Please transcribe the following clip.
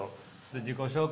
自己紹介